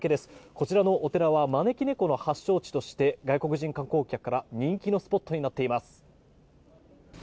こちらのお寺は招き猫の発祥地として外国人観光客から人気のスポットになっています。